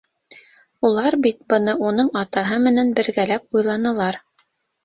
Улар бит быны уның атаһы менән бергәләп уйланылар.